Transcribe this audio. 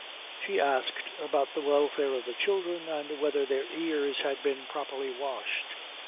She asked about the welfare of the children, and whether their ears had been properly washed.